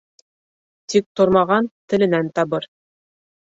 Тик тормаған теленән табыр.